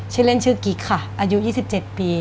ชื่อเล่นชื่อกิ๊กค่ะอายุ๒๗ปี